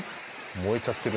燃えちゃってるね。